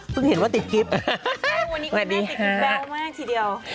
เพิ่งเห็นว่าติดกริปวันนี้แม่ติดกริปแบบมากทีเดียว